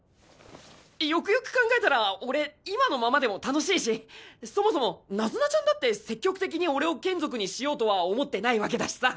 よくよく考えたら俺今のままでも楽しいしそもそもナズナちゃんだって積極的に俺を眷属にしようとは思ってないわけだしさ。